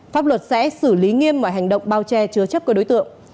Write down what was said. pháp luật sẽ xử lý nghiêm mọi hành động bao che chứa chấp các đối tượng